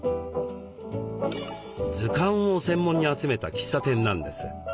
図鑑を専門に集めた喫茶店なんです。